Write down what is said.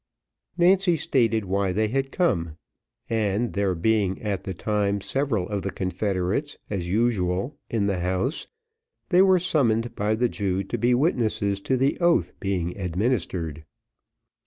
Nancy stated why they had come, and there being, at the time, several of the confederates, as usual, in the house, they were summoned by the Jew to be witnesses to the oath being administered.